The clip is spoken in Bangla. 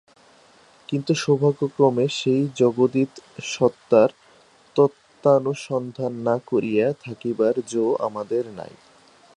কিন্তু সৌভাগ্যক্রমে সেই জগদতীত সত্তার তত্ত্বানুসন্ধান না করিয়া থাকিবার যো আমাদের নাই।